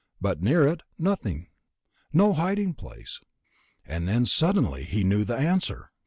But near it, nothing.... No hiding place. And then, suddenly, he knew the answer.